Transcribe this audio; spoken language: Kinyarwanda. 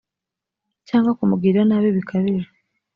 cyangwa kumugirira nabi bikabije